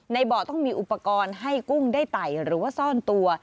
เบาะต้องมีอุปกรณ์ให้กุ้งได้ไต่หรือว่าซ่อนตัว